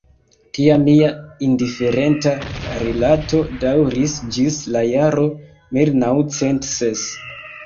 Tia mia indiferenta rilato daŭris ĝis la jaro mil naŭcent ses.